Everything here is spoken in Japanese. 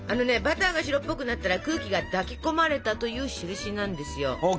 バターが白っぽくなったら空気が抱き込まれたという印なんですよ。